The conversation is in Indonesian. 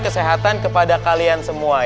kesehatan kepada kalian semua